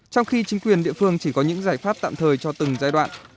trong khi chính quyền địa phương chỉ có những giải pháp tạm thời cho từng giai đoạn